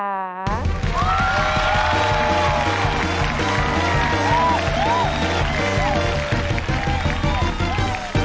เฮ่ย